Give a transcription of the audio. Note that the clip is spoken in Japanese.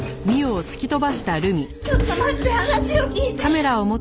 ちょっと待って話を聞いて！